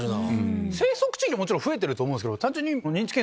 生息地域もちろん増えてると思うんですけど。